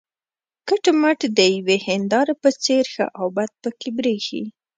کټ مټ د یوې هینداره په څېر ښه او بد پکې برېښي.